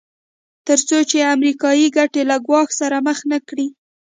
تر څو چې امریکایي ګټې له ګواښ سره مخ نه کړي.